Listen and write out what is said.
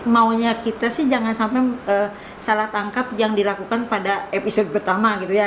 maunya kita sih jangan sampai salah tangkap yang dilakukan pada episode pertama gitu ya